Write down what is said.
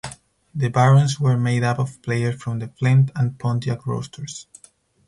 The Barons were made up of players from the Flint and Pontiac rosters.